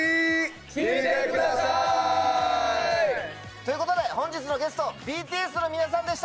聴いてください！ということで本日のゲストＢＴＳの皆さんでした！